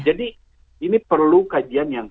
jadi ini perlu kajian yang